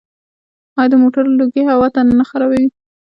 آیا د موټرو لوګی هوا نه خرابوي؟